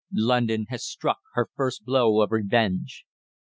"London has struck her first blow of revenge.